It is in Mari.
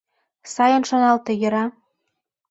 Сайын шоналте, йӧра.